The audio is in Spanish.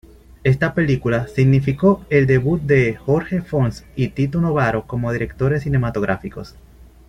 Esta película significó el debut de Jorge Fons y Tito Novaro como directores cinematográficos.